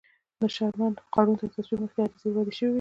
د شرمن قانون تر تصویب مخکې عریضې وړاندې شوې وې.